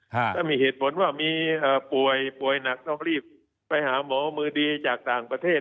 ถ้ามีเหตุผลว่ามีป่วยป่วยหนักต้องรีบไปหาหมอมือดีจากต่างประเทศ